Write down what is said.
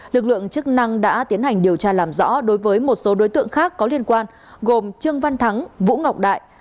lực lượng chức năng đã tiến hành điều tra làm rõ đối với một số đối tượng khác có liên quan gồm trương văn thắng vũ ngọc đại